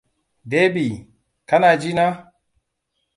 Debbie! Kana ji na?